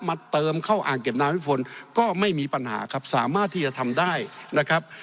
เติมเข้าอ่างเก็บน้ำให้ฝนก็ไม่มีปัญหาครับสามารถที่จะทำได้นะครับ